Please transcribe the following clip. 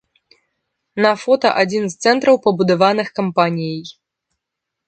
На фота адзін з цэнтраў пабудаваных кампаніяй.